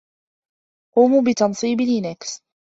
قوموا بتنصيب لينكس!